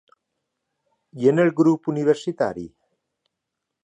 I en el grup universitari?